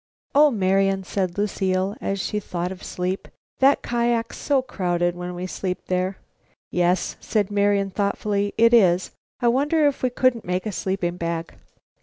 "Oh, Marian," said Lucile, as she thought of sleep, "that kiak's so crowded when we sleep there." "Yes s," said Marian, thoughtfully, "it is. I wonder if we couldn't make a sleeping bag?"